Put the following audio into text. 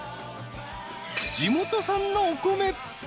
［地元産のお米］